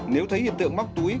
nếu thấy hiện tượng móc túi